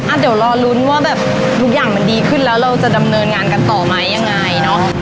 เดี๋ยวรอลุ้นว่าแบบทุกอย่างมันดีขึ้นแล้วเราจะดำเนินงานกันต่อไหมยังไงเนอะ